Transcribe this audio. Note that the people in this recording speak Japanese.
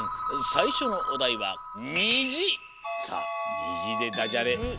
さいしょのおだいは「にじ」でダジャレ。